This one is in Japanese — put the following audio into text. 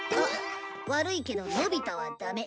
「悪いけどのび太はダメ」